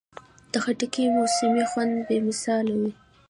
د خټکي موسمي خوند بې مثاله وي.